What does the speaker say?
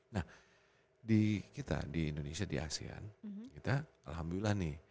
nah di kita di indonesia di asean kita alhamdulillah nih